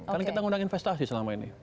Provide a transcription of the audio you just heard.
karena kita ngundang investasi selama ini